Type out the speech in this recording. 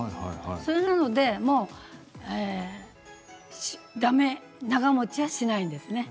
それなので、だめ長もちはしないんですね。